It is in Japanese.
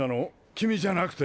キミじゃなくて？